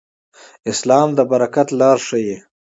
اسلام د برکت لار ښيي.